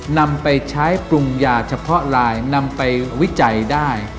นำไปใช้ปรุงยาเฉพาะลายนำไปวิจัยได้